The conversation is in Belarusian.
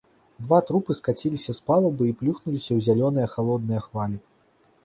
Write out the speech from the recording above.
Два трупы скаціліся з палубы і плюхнуліся ў зялёныя халодныя хвалі.